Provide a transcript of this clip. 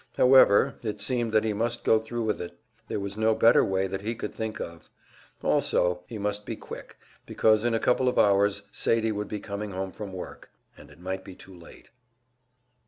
However, it seemed that he must go thru with it; there was no better way that he could think of. Also, he must be quick, because in a couple of hours Sadie would be coming home from work, and it might be too late.